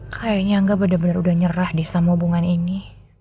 kayaknya angga benar benar udah nyerah deh sama hubungan ini